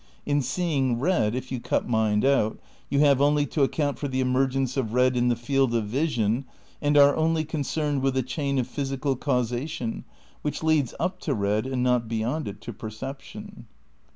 In seeing red if you cut mind out, you have only to account for the emergence of red in the field of vision and are only concerned with the chain of physical causation which leads up to red and not beyond it to perception.